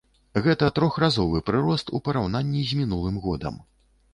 Гэта трохразовы прырост у параўнанні з мінулым годам.